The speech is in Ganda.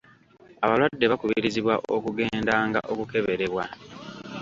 Abalwadde bakubirizibwa okugendanga okukeberebwa.